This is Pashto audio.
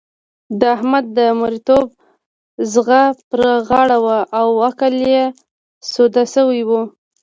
د احمد د مرېيتوب ځغ پر غاړه وو او عقل يې سوده شوی وو.